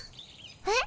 えっ？